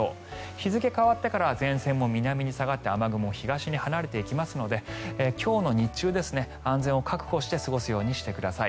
日付が変わってからは前線も南に下がって雨雲は東に離れていきますので今日の日中、安全を確保して過ごすようにしてください。